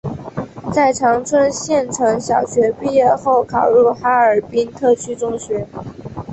在长春县城小学毕业后考入哈尔滨特区中学。